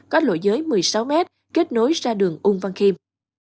có lội giới một mươi sáu m kết nối ra đường ung văn khiêm